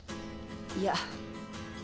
いや。